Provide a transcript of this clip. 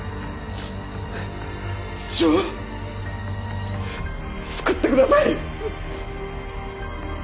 父を救ってください！